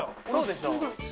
◆そうでしょう。